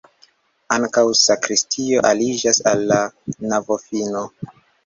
Ankaŭ sakristio aliĝas al la navofino.